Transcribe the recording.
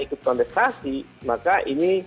ikut kompetisi maka ini